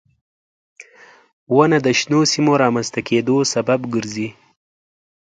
• ونه د شنو سیمو رامنځته کېدو سبب ګرځي.